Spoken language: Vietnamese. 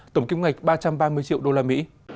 tổng kim ngạch ba trăm ba mươi triệu usd